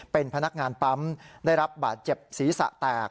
เป็นพนักงานปั๊มได้รับบาดเจ็บศีรษะแตก